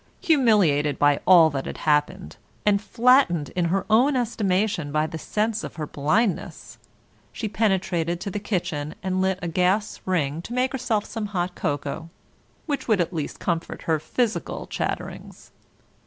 Humiliated by all that had happened, and flattened in her own estimation by the sense of her blindness, she penetrated to the kitchen and lit a gas ring to make herself some hot cocoa, which would at least comfort her physical chatterings.